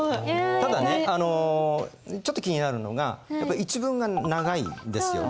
ただねちょっと気になるのがやっぱり一文が長いんですよね。